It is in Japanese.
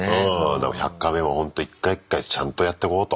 だから「１００カメ」もほんと一回一回ちゃんとやってこうと。